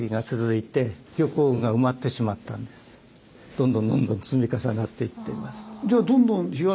どんどんどんどん積み重なっていっています。